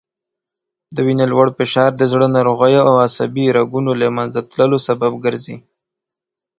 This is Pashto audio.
وینې لوړ فشار د زړه ناروغیو او عصبي رګونو له منځه تللو سبب ګرځي